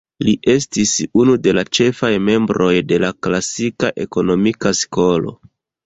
Li estis unu de la ĉefaj membroj de la Klasika ekonomika skolo.